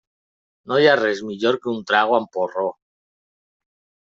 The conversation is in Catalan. No hi ha res millor que un trago amb porró.